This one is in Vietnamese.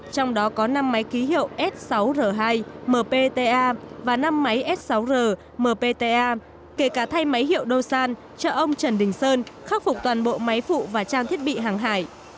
trong đó có năm máy ký hiệu s sáu r hai mta và năm máy s sáu r mpta kể cả thay máy hiệu doan cho ông trần đình sơn khắc phục toàn bộ máy phụ và trang thiết bị hàng hải